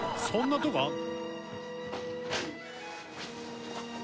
「そんなとこある？